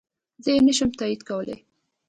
زه يي نشم تاييد کولی